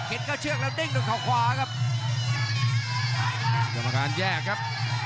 เข็ดเข้าเชือกแล้วดิ้งถึงข่าวขวาครับยกกำปั้นแยกครับ